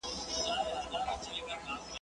دوه پکه، هغه هم سره ورکه.